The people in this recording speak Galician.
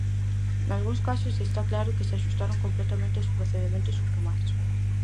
Nalgúns casos está claro que se axustaron completamente aos procedementos formais.